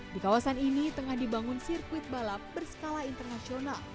di kawasan ini tengah dibangun sirkuit balap berskala internasional